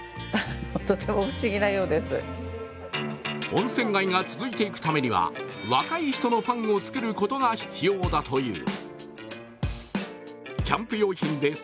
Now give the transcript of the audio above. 温泉街が続いていくためには、若い人のファンを作ることが必要だという。